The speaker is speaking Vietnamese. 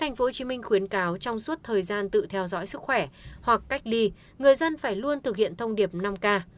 hồ chí minh khuyến cáo trong suốt thời gian tự theo dõi sức khỏe hoặc cách ly người dân phải luôn thực hiện thông điệp năm k